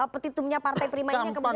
petitumnya partai prima ini yang kemudian